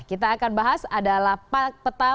kita akan bahas adalah peta